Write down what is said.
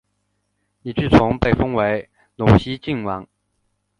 李继崇被封为陇西郡王。